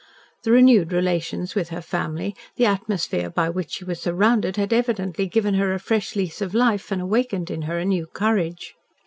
The renewed relations with her family, the atmosphere by which she was surrounded, had evidently given her a fresh lease of life, and awakened in her a new courage.